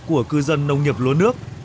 của cư dân nông nghiệp lúa nước